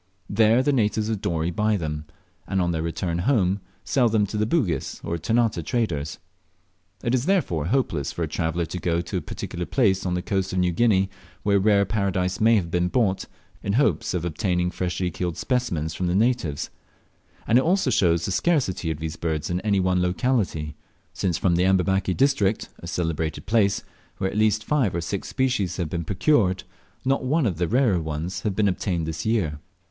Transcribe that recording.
There the natives of Dorey buy them, and on their return home sell them to the Bugis or Ternate traders. It is therefore hopeless for a traveller to go to any particular place on the coast of New Guinea where rare Paradise birds may have been bought, in hopes of obtaining freshly killed specimens from the natives; and it also shows the scarcity of these birds in any one locality, since from the Amberbaki district, a celebrated place, where at least five or six species have been procured, not one of the rarer ones has been obtained this year.